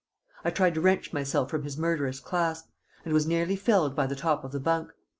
I tried to wrench myself from his murderous clasp, and was nearly felled by the top of the bunk.